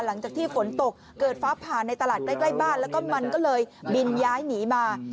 หลังจากที่ฝนตกเกิดฟ้าผ่านในตลาดใกล้บ้านแล้วก็มันก็เลยบินย้ายหนีมา